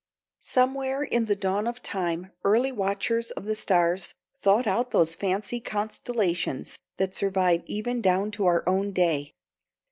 Somewhere in the dawn of time early watchers of the stars thought out those fancied constellations that survive even down to our own day.